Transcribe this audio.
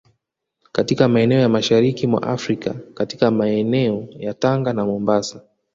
katika maeneo ya Mashariki mwa Afrika katika meeneo ya Tanga na Mombasa